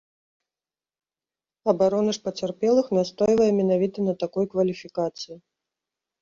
Абарона ж пацярпелых настойвае менавіта на такой кваліфікацыі.